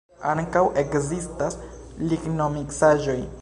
Ankaŭ ekzistas lignomiksaĵoj.